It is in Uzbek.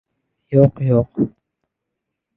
— Yo‘q-yo‘q...